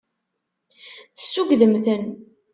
Tessugdem-ten.